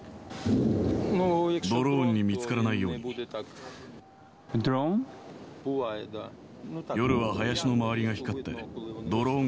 ドローンに見つからないようドローン？